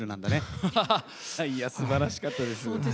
本当にすばらしかったです。